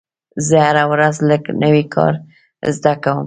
زه هره ورځ لږ نوی کار زده کوم.